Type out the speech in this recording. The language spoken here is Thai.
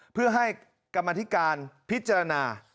เพื่อให้กรรมธิการพิจารณา